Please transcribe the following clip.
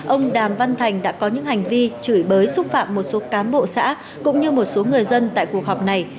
ông đàm văn thành đã có những hành vi chửi bới xúc phạm một số cán bộ xã cũng như một số người dân tại cuộc họp này